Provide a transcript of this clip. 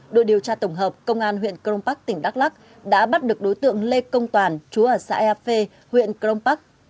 đội điều tra tổng hợp công an huyện cương bắc tỉnh đắk lắc đã bắt được đối tượng lê công toàn chúa ở xã ea phê huyện cương bắc